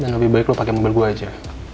dan lebih baik lo pake mobil gue aja